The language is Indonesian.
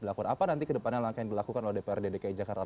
apa nanti kedepannya langkah yang dilakukan oleh dprd dki jakarta